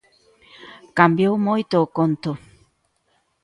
Cambiou moito o conto.